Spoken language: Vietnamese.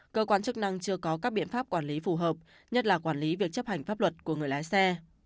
cơ quan chức năng chưa có các biện pháp quản lý phù hợp nhất là quản lý việc chấp hành pháp luật của người lái xe